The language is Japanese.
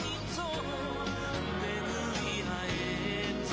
そう。